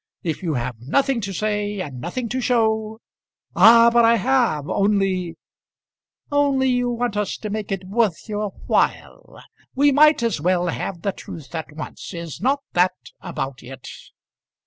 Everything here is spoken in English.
If you have nothing to say, and nothing to show " "Ah, but I have; only " "Only you want us to make it worth your while. We might as well have the truth at once. Is not that about it?"